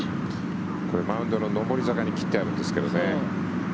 これ、マウンドの上り坂に切ってあるんですけどね。